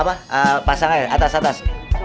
itu apa pasang aja atas atas